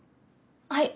はい。